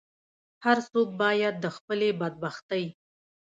هر څوک باید د خپلې بدبختۍ.